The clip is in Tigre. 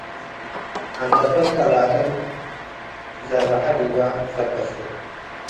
ዐንደበት ቀላቅል ትዘረሐ ዲበ ሰበሴ